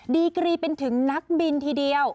ดีกรีเป็นถึงนักบินทีเดียว